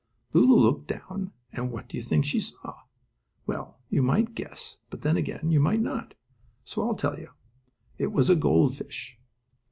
Lulu looked down, and what do you think she saw? Well, you might guess, but then again, you might not, so I'll tell you. It was a gold fish.